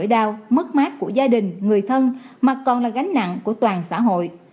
nỗi đau mất mát của gia đình người thân mà còn là gánh nặng của toàn xã hội